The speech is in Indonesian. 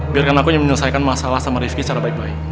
biarkan aku menyelesaikan masalah sama rifki secara baik baik